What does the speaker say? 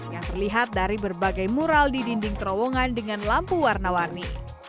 yang terlihat dari berbagai mural di dinding terowongan dengan lampu warna warni